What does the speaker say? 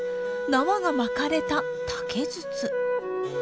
縄が巻かれた竹筒。